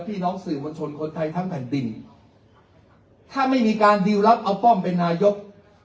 พี่น้องสื่อมวลชนคนไทยทั้งแผ่นดินถ้าไม่มีการดิวรับเอาป้อมเป็นนายก